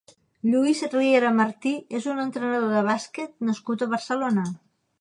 Lluís Riera Martí és un entrenador de bàsquet nascut a Barcelona.